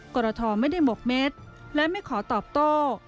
กรทไม่ได้หมกเม็ดและไม่ขอตอบโต้